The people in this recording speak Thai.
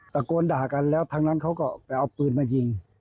ตะโกนด่ากันแล้วทั้งนั้นเขาก็ไปเอาปืนมายิง